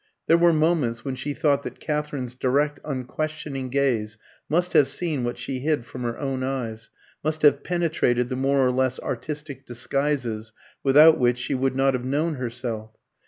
There were moments when she thought that Katherine's direct unquestioning gaze must have seen what she hid from her own eyes, must have penetrated the more or less artistic disguises without which she would not have known herself.